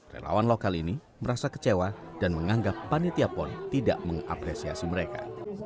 relawan lokal ini merasa kecewa dan menganggap panitia pon tidak mengapresiasi mereka